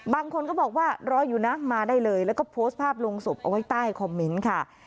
บางคนก็บอกว่ารออยู่นะมาได้เลยแล้วก็โพสต์ภาพลงศพเอาไว้ใต้คอมเมนต์ค่ะ